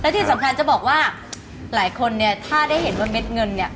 ที่สำคัญจะบอกว่าหลายคนเนี่ยถ้าได้เห็นว่าเม็ดเงินเนี่ย